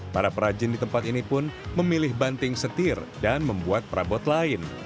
para perajin di tempat ini pun memilih banting setir dan membuat perabot lain